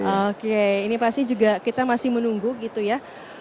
oke ini pasti juga kita masih menunggu gitu ya